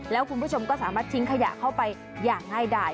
แล้วคุณผู้ชมก็สามารถทิ้งขยะเข้าไปอย่างง่ายได้